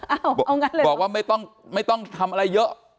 อ้าวเอางั้นเลยบอกว่าไม่ต้องไม่ต้องทำอะไรเยอะ